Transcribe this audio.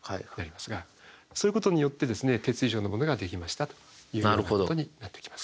そういうことによって鉄以上のものができましたということになってきます。